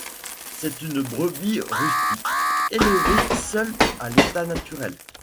C'est une brebis rustique, élevée seule à l'état naturel.